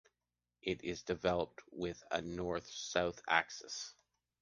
It is developed with a North-South axis.